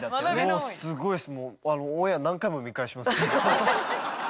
もうすごいっす。